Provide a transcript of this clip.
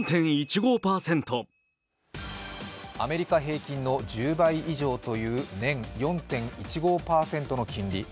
アメリカ平均の１０倍以上という年４．１５％の金利。